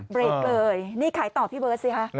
เบรกเลยนี่ขายต่อพี่เบิร์ตสิฮะ